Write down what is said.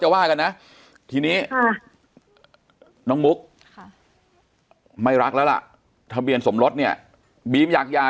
ว่ากันนะทีนี้น้องมุกไม่รักแล้วล่ะทะเบียนสมรสเนี่ยบีมอยากหย่า